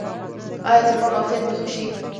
ایا زما معافیت به ښه شي؟